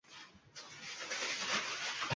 Google adsensening ajoyibligi shundaki